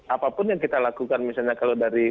apapun yang kita lakukan misalnya kalau dari